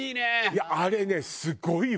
いやあれねすごいわよ。